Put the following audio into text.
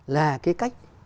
là cái cách